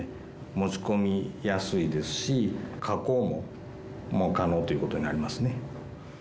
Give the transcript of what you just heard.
持ち込みやすいですし、加工も可能ということになりますね。